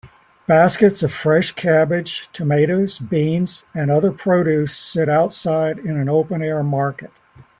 Baskets of fresh cabbage tomatoes beans and other produce sit outside in an open air market